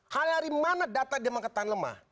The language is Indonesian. hal dari mana data dia mengatakan lemah